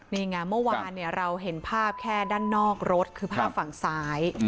นี่ไงเมื่อวานเราเห็นภาพแค่ด้านนอกรถคือภาพฝั่งซ้าย